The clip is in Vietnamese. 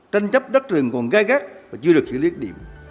trân chấp đất rừng còn gai gác và chưa được chỉ luyện điểm